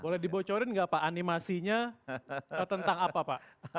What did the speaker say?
boleh dibocorin gak pak animasinya atau tentang apa pak